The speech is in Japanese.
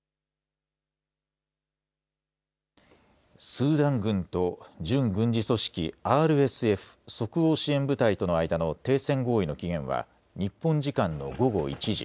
スーダン軍と準軍事組織ＲＳＦ・即応支援部隊との間の停戦合意の期限は日本時間の午後１時。